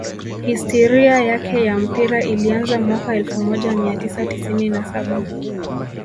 Histiria yake ya mpira ilianza mwaka elfu moja mia tisa tisini na saba